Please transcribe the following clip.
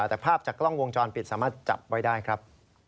แต่ภาพจากกล้องวงจรปิดสามารถจับไว้ได้ครับ